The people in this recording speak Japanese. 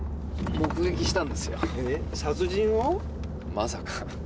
まさか。